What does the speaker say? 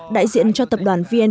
đại diện cho tập đoàn vnpt cho rằng